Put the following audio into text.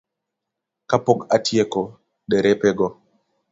Kapok atieko, derepego